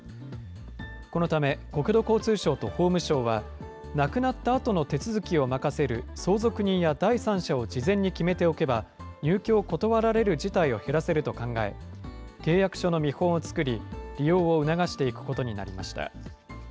このため、国土交通省と法務省は、亡くなったあとの手続きを任せる相続人や第三者を事前に決めておけば、入居を断られる事態を減らせると考え、契約書の見本を作り、利用を促していくことになりました。